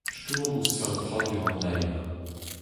Stourm ouzh saotradur an aer.